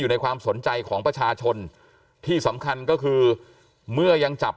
ในความสนใจของประชาชนที่สำคัญก็คือเมื่อยังจับ